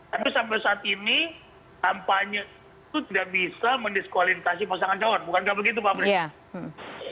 habis sampai saat ini kampanye itu tidak bisa mendiskualifikasi pasangan cawan bukan gak begitu pak frits